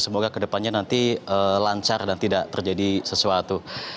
semoga ke depannya nanti lancar dan tidak terjadi sesuatu